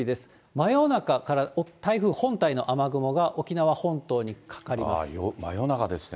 真夜中から台風本体の雨雲が沖縄本島にかかります。